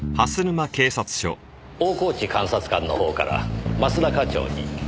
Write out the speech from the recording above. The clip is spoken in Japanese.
大河内監察官の方から益田課長に。